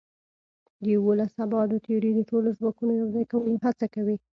د یوولس ابعادو تیوري د ټولو ځواکونو یوځای کولو هڅه کوي.